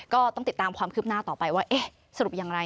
ก็ต้องติดตามความคืบหน้าต่อไปว่าเอ๊ะสรุปอย่างไร